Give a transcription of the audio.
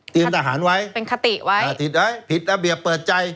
เตรียมทหารไว้เป็นคติไว้คติไว้ผิดระเบียบเปิดใจ